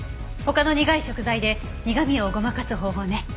他の苦い食材で苦味をごまかす方法ね。